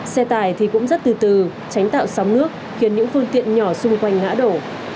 xe tải thì cũng rất từ từ tránh tạo sóng nước khiến những phương tiện nhỏ xung quanh ngã đổ